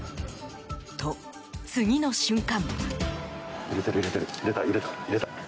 と、次の瞬間。